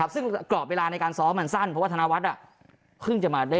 ซึ่งกรอบเวลาในการซ้อมมันสั้นเพราะว่าธรรมวัฒนาวัฒน์คึงจะมาได้ไม่นาน